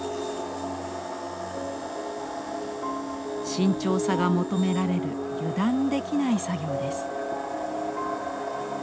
慎重さが求められる油断できない作業です。